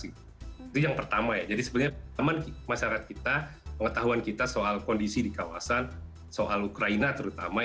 itu yang pertama ya jadi sebenarnya teman masyarakat kita pengetahuan kita soal kondisi di kawasan soal ukraina terutama